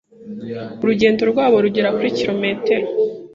Urugendo rwabo rugera kuri kilometer